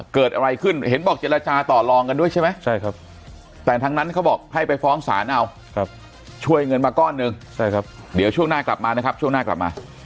เกิดอะไรขึ้นเห็นบอกเจรจาต่อลองกันด้วยใช่ไหมใช่ครับแต่ทั้งนั้นเขาบอกให้ไปฟ้องศาลเอาช่วยเงินมาก้อนหนึ่งใช่ครับเดี๋ยวช่วงหน้ากลับมานะครับช่วงหน้ากลับมา